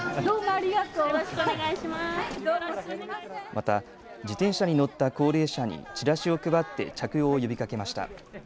また自転車に乗った高齢者にチラシを配って着用を呼びかけました。